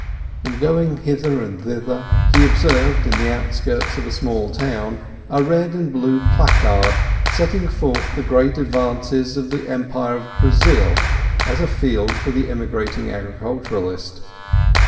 In going hither and thither he observed in the outskirts of a small town a red and blue placard setting forth the great advantages of the Empire of Brazil as a field for the emigrating agriculturist.